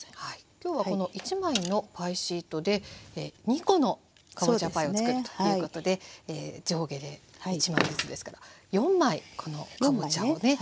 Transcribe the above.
今日はこの１枚のパイシートで２コのかぼちゃパイをつくるということで上下で１枚ずつですけど４枚このかぼちゃをね